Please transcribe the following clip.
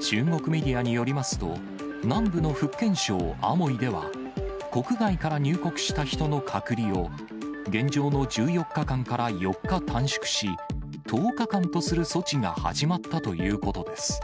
中国メディアによりますと、南部の福建省厦門では、国外から入国した人の隔離を、現状の１４日間から４日短縮し、１０日間とする措置が始まったということです。